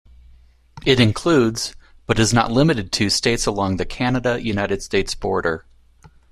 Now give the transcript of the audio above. It includes, but is not limited to, states along the Canada-United States border.